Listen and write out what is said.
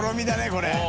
これ。